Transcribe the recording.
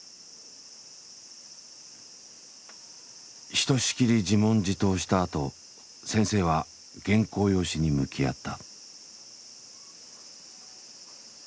ひとしきり自問自答したあと先生は原稿用紙に向き合った。